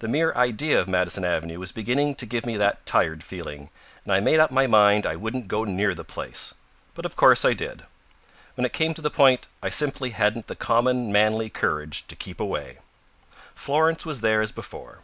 The mere idea of Madison Avenue was beginning to give me that tired feeling, and I made up my mind I wouldn't go near the place. But of course I did. When it came to the point, I simply hadn't the common manly courage to keep away. Florence was there as before.